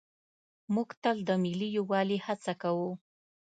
موږ تل د ملي یووالي هڅه کوو.